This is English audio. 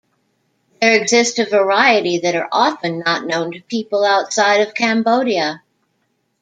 There exist a variety that are often not known to people outside of Cambodia.